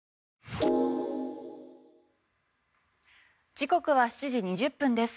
時刻は７時２０分です。